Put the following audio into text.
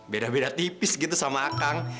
beda beda tipis gitu sama akang